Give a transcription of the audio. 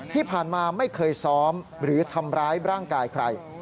ที่ผ่านมาไม่เคยซ้อมหรือทำร้ายร่างกายใคร